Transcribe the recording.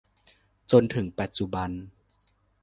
จนถึงปัจจุบัน